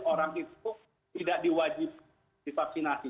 orang itu tidak diwajib divaksinasi